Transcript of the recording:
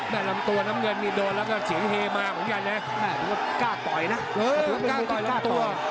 แหม่งลำตัวน้ำเงินมีดวนแล้วก็เสียงอาวุโอ้โหแกล้งก่อยลำตัว